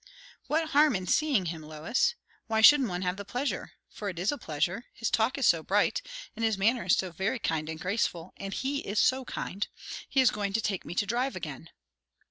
"What harm in seeing him, Lois? why shouldn't one have the pleasure? For it is a pleasure; his talk is so bright, and his manner is so very kind and graceful; and he is so kind. He is going to take me to drive again."